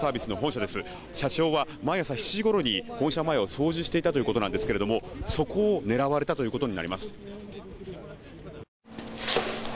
社長は毎朝７時ごろに本社前を掃除していたということなんですけどもそこを狙われたということになります。